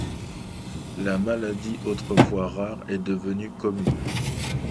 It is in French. La maladie, autrefois rare, est devenue commune.